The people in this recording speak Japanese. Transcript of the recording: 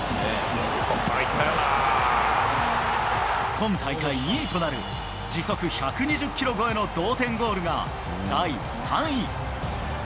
今大会２位となる、時速１２０キロ超えの同点ゴールが、第３位。